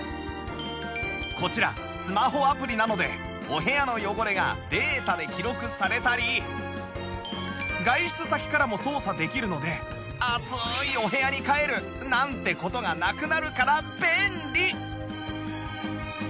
こちらスマホアプリなのでお部屋の汚れがデータで記録されたり外出先からも操作できるので暑いお部屋に帰るなんて事がなくなるから便利！